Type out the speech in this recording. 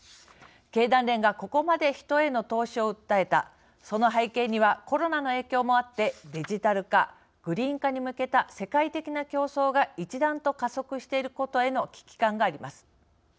経団連がここまで人への投資を訴えたその背景にはコロナの影響もあってデジタル化、グリーン化に向けた世界的な競争が一段と加速していることへの危機感があります。